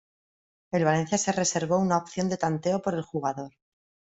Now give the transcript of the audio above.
El Valencia se reservó una opción de tanteo por el jugador.